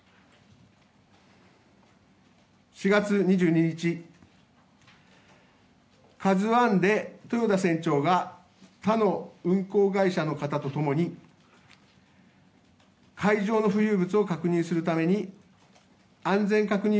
４月２２日「ＫＡＺＵ１」で豊田船長が他の運航会社の方と共に海上の浮遊物を確認するために安全確認